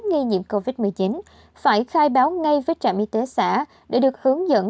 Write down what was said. nghi nhiễm covid một mươi chín phải khai báo ngay với trạm y tế xã để được hướng dẫn